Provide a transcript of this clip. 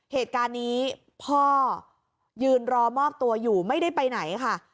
เหตุการณ์นี้พ่อยืนรอมอบตัวอยู่ไม่ได้ไปไหนค่ะ